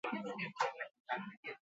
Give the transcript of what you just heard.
Finala bihar erabakiko da.